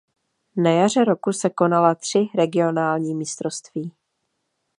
Na jaře roku se konala tři regionální mistrovství.